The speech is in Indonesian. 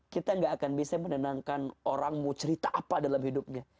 kita gak akan bisa menenangkan orangmu cerita apa dalam hidupnya